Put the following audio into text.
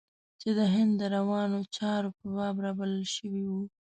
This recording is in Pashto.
چې د هند د روانو چارو په باب رابلل شوی و.